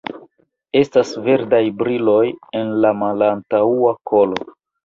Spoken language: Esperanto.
Estas verdaj briloj en la malantaŭa kolo.